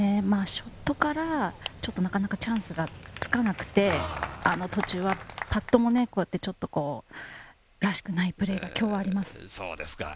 ショットからちょっとなかなかチャンスがつかなくて、途中はパットもこうやって、らしくないプレーが今日はあります。